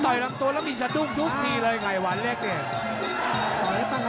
ลำตัวแล้วมีสะดุ้งทุกทีเลยไข่หวานเล็กเนี่ย